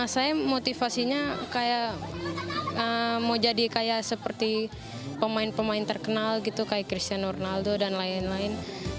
saya motivasinya kayak mau jadi kayak seperti pemain pemain terkenal gitu kayak cristian ronaldo dan lain lain